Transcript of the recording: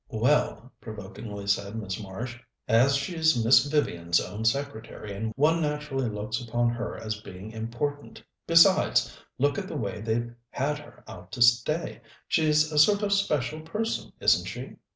"Well," provokingly said Miss Marsh, "as she's Miss Vivian's own secretary, one naturally looks upon her as being important. Besides, look at the way they've had her out to stay; she's a sort of special person, isn't she?"